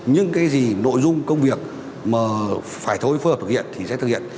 nhưng cái gì nội dung công việc mà phải thôi phương hợp thực hiện thì sẽ thực hiện